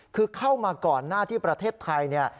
คือเข้ามาก่อนหน้าที่ประเทศไทยเนี่ย